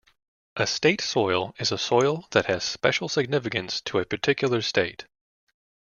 A state soil is a soil that has special significance to a particular state.